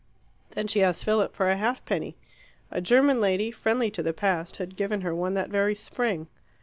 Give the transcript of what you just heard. Then she asked Philip for a halfpenny. A German lady, friendly to the Past, had given her one that very spring.